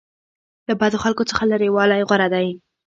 له بدو خلکو څخه لرې والی غوره دی.